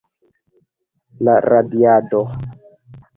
La radiado.